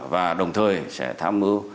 và đồng thời sẽ tham mưu